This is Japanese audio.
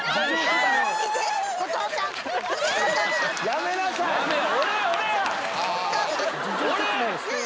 やめなさい！